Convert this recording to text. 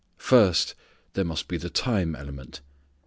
First there must be the time element.